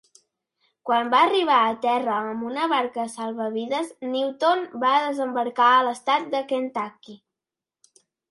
Quan va arribar a terra amb una barca salvavides, Newton va desembarcar a l'Estat de Kentucky.